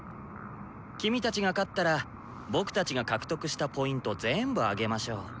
キミたちが勝ったら僕たちが獲得したＰ全部あげましょう。